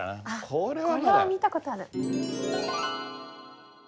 これは見た事ある。